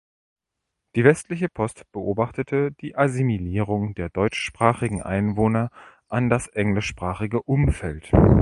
Die Westliche Post beobachtete die Assimilierung der deutschsprachigen Einwohner an das englischsprachige Umfeld.